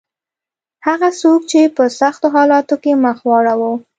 هغه څوک چې په سختو حالاتو کې مخ واړاوه.